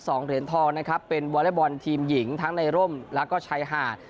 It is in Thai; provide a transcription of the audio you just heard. สองเหรียญทองนะครับเป็นวอเล็กบอลทีมหญิงทั้งในร่มแล้วก็ชายหาด